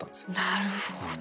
なるほど！